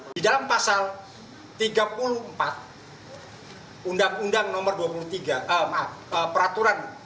di dalam pasal tiga puluh empat undang undang nomor dua puluh tiga maaf peraturan